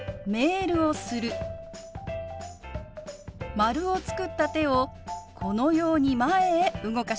丸を作った手をこのように前へ動かします。